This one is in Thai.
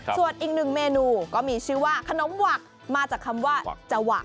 ส่วนอีกหนึ่งเมนูก็มีชื่อว่าขนมหวักมาจากคำว่าจวัก